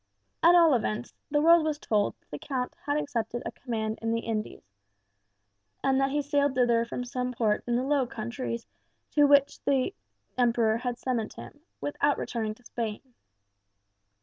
At all events, the world was told that the Count had accepted a command in the Indies, and that he sailed thither from some port in the Low Countries to which the Emperor had summoned him, without returning to Spain.